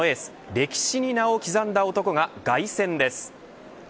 歴史に名を刻んだ男が凱旋です。